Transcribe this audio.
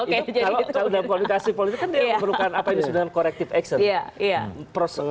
itu kalau dalam komunikasi politik kan dia memerlukan apa yang disebut dengan corrective action